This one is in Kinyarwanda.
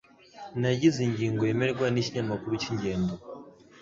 Nagize ingingo yemerwa nikinyamakuru cyingendo.